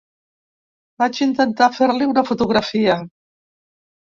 Vaig intentar fer-li una fotografia.